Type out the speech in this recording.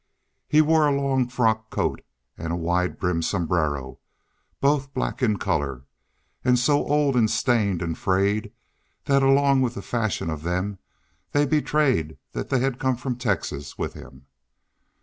He wore a long frock coat and a wide brimmed sombrero, both black in color, and so old and stained and frayed that along with the fashion of them they betrayed that they had come from Texas with him.